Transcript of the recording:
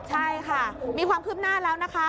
ใช่ค่ะมีความคืบหน้าแล้วนะคะ